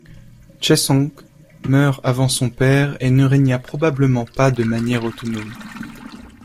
Sheshonq meurt avant son père et ne régna probablement pas de manière autonome.